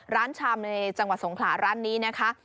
ชามในจังหวัดสงขลาร้านนี้นะคะ